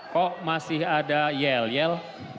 kok masih ada yell